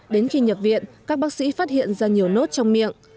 đến khi nhập viện các bác sĩ phát hiện ra nhiều nốt trong miệng